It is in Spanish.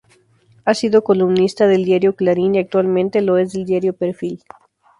Ha sido columnista del diario Clarín y actualmente lo es del diario Perfil.